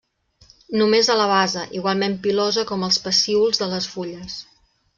Només a la base, igualment pilosa com els pecíols de les fulles.